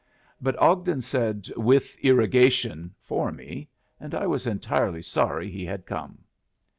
But Ogden said "with irrigation" for me, and I was entirely sorry he had come.